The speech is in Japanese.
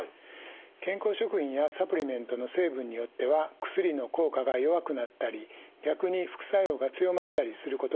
健康食品やサプリメントの成分によっては薬の効果が弱くなったり逆に副作用が強まったりすることがあり